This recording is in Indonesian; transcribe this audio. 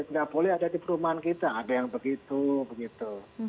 nggak boleh ada di perumahan kita ada yang begitu begitu